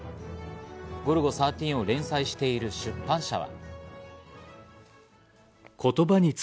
『ゴルゴ１３』を連載している出版社は。